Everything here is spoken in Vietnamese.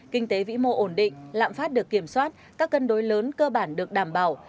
kinh tế vĩ mô ổn định lạm phát được kiểm soát các cân đối lớn cơ bản được đảm bảo